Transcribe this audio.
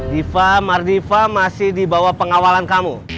diva mardiva masih di bawah pengawalan kamu